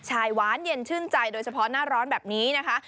ใช่หวานเย็นชื่นใจโดยเฉพาะหน้าร้อนแบบนี้นะคะ